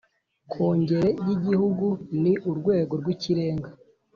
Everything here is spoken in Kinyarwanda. Kongere y igihugu ni urwego rw ikirenga